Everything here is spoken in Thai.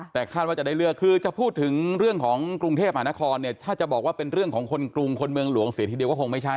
แต่คาดว่าจะได้เลือกคือจะพูดถึงเรื่องของกรุงเทพมหานครเนี่ยถ้าจะบอกว่าเป็นเรื่องของคนกรุงคนเมืองหลวงเสียทีเดียวก็คงไม่ใช่